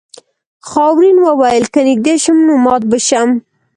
خاورین وویل که نږدې شم نو مات به شم.